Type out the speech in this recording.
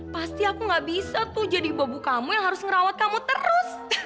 pasti aku gak bisa tuh jadi babu kamu yang harus ngerawat kamu terus